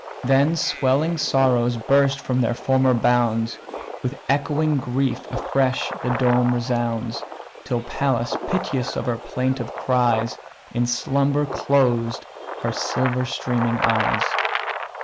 Then swelling sorrows burst their former bounds, With echoing grief afresh the dome resounds; Till Pallas, piteous of her plaintive cries, In slumber closed her silver streaming eyes.